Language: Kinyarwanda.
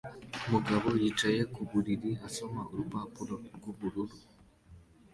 Umugabo yicaye ku buriri asoma urupapuro rwubururu